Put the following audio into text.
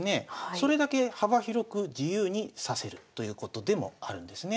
それだけ幅広く自由に指せるということでもあるんですね。